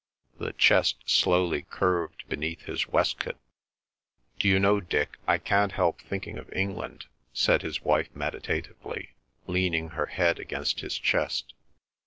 The chest slowly curved beneath his waistcoat. "D'you know, Dick, I can't help thinking of England," said his wife meditatively, leaning her head against his chest.